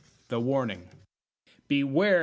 THE WARNING Beware!